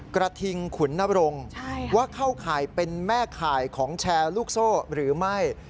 กระทิงขุนนบรงว่าเข้าข่ายเป็นแม่ข่ายของแชร์ลูกโซ่หรือไม่